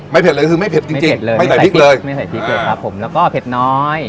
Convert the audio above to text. เผ็ดเลยคือไม่เผ็ดจริงจริงเลยไม่ใส่พริกเลยไม่ใส่พริกเลยครับผมแล้วก็เผ็ดน้อย